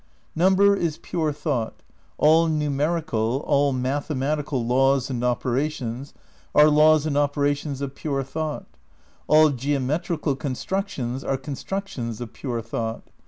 Number is pure thought; all numerical, aU mathe matical laws and operations are laws and operations of pure thought ; all geometrical constructions are con structions of pure thought.